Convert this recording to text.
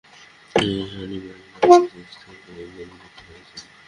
সে শালীবাহনের নাম ইতিহাস থেকে একেবারে বিলুপ্ত হয়ে যাবে।